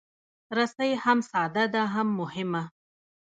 رسۍ هم ساده ده، هم مهمه.